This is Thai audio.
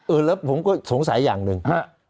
แล้วผมก็สงสัยอย่างหนึ่งฮะ